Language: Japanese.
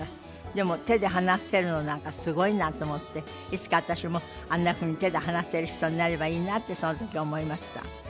でも手で話せるのなんかすごいなと思っていつか私もあんなふうに手で話せる人になればいいなとその時思いました。